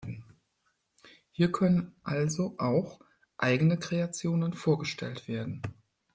Hier können also auch eigene Kreationen vorgestellt werden.